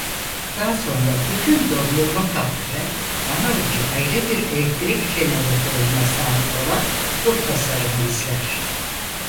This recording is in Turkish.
Daha sonra bütün dondurma kapları daha önce ayrı bir elektrik jeneratörüne sahip olan bu tasarımı izler.